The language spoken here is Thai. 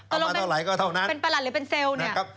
เอามาเท่าไหร่ก็เท่านั้นเป็นประหลักหรือเป็นเซลล์เนี่ยนะครับ